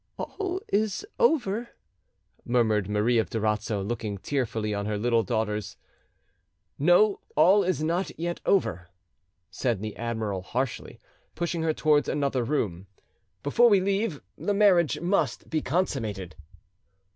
"All is over!" murmured Marie of Durazzo, looking tearfully on her little daughters. "No, all is not yet over," said the admiral harshly, pushing her towards another room; "before we leave, the marriage must be consummated."